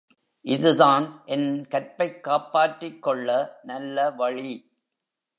இதுதான் என் கற்பைக் காப்பாற்றிக்கொள்ள நல்ல வழி!